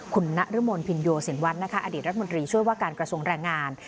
คุณนรมนภินโยสินวัฒน์นะคะอดีตรัฐมนตรีช่วยว่าการกระทรวงแรงงาน